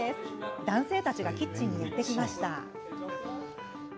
男性たちがキッチンにやって来ました。